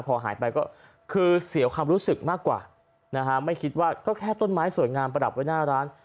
พอหายไปก็คือเสียความรู้สึกมากกว่านะฮะไม่คิดว่าก็แค่ต้นไม้สวยงามประดับไว้หน้าร้าน